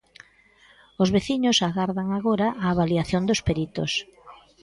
Os veciños agardan agora a avaliación dos peritos.